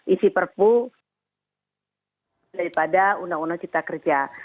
isi perpu daripada undang undang cipta kerja